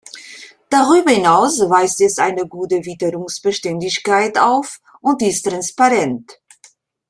Darüber hinaus weist es eine gute Witterungsbeständigkeit auf und ist transparent.